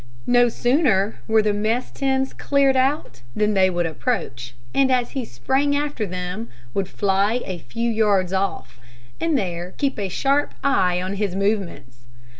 No sooner were the mess tins cleared out than they would approach, and as he sprang after them, would fly a few yards off, and there keep a sharp eye on his movements.